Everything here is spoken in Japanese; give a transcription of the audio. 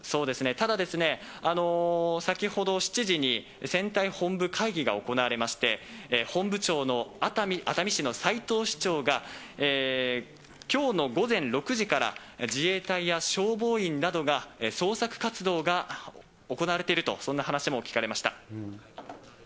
ただ、先ほど、７時に選対本部会議が行われまして、本部長の熱海市のさいとう市長がきょうの午前６時から、自衛隊や消防員などが捜索活動が行われていると、そんな話も聞かれました。